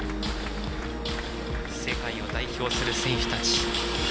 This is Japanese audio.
世界を代表する選手たち。